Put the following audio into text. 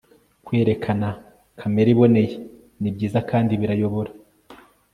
Kwerekana kamere iboneye ni byiza kandi birayobora